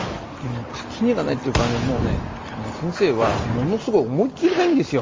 垣根がないというか先生はものすごく思い切りがいいんですよ。